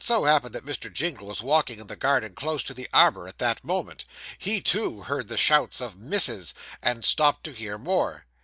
Now it so happened that Mr. Jingle was walking in the garden close to the arbour at that moment. He too heard the shouts of 'Missus,' and stopped to hear more.